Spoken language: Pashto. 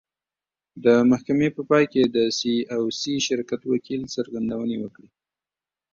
د محکمې په پای کې د سي او سي شرکت وکیل څرګندونې وکړې.